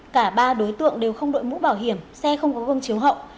cả ba đối tượng đều không đội mũ bảo hiểm xe không có gương chiếu hậu